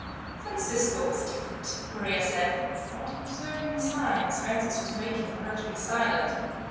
"Francisco is different," Maria said, not observing the signs Francis was making for her to be silent.